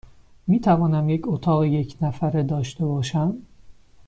می توانم یک اتاق یک نفره داشته باشم؟